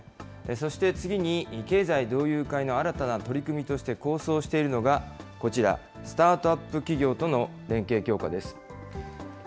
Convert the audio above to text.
そして次に、経済同友会の新たな取り組みとして構想しているのがこちら、スタートアップ企業との連携強化です。